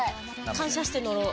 感謝して乗ろう。